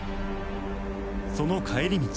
その帰り道